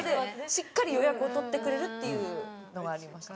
しっかり予約を取ってくれるっていうのはありました。